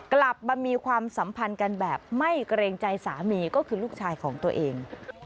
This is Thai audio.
กลับมามีความสัมพันธ์กันแบบไม่เกรงใจสามีก็คือลูกชายของตัวเอง